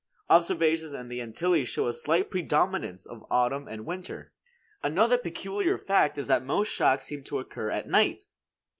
Observations in the Antilles show a slight predominance of autumn and winter. Another peculiar fact is that most shocks seem to occur at night.